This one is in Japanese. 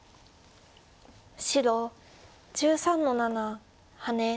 白１３の七ハネ。